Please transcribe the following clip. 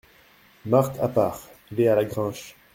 Marthe à part. — Il est à la grinche.